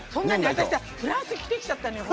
私さフランス着てきちゃったのよ。